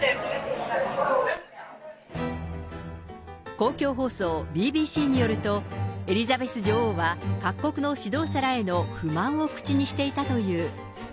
公共放送、ＢＢＣによると、エリザベス女王は、各国の指導者らへの不満を口にしていたという。